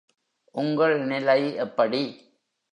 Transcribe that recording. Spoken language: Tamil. உங்கள் நிலை எப்படி?